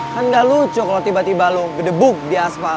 kan gak lucu kalau tiba tiba lo gedebuk di aspal